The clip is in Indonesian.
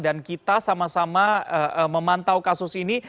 dan kita sama sama memantau kasus ini